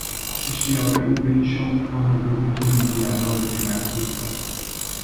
اشتیاق او به این شغل با حقوقی که میگیرد رابطهی معکوس دارد!